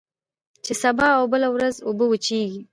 چي سبا او بله ورځ اوبه وچیږي